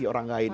hati orang lain